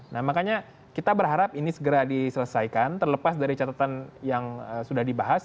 nah makanya kita berharap ini segera diselesaikan terlepas dari catatan yang sudah dibahas